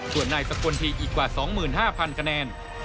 ส่วนนายสกลทีอีกกว่า๒๕๐๐คะแนน